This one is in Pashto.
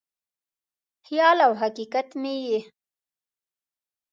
خیال او حقیقت مې یې